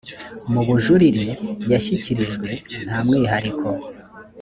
mu bujurire yashyikirijwe nta mwihariko